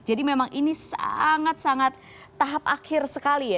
jadi memang ini sangat sangat tahap akhir sekali ya